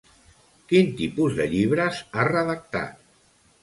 Quin tipus de llibres ha redactat?